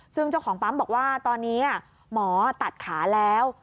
ซึ่งเจ้าของปั๊มบอกว่าตอนนี้หมอตัดขาแล้ว